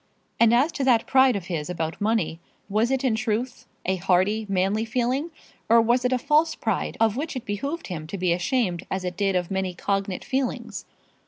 And as to that pride of his about money, was it in truth a hearty, manly feeling; or was it a false pride, of which it behoved him to be ashamed as it did of many cognate feelings?